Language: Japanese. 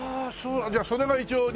じゃあそれが一応人気だ。